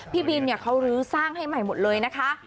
พี่บินเขารื้อสร้างให้ใหม่หมดเลยนะคะ